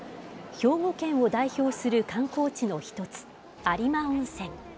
兵庫県を代表する観光地の一つ、有馬温泉。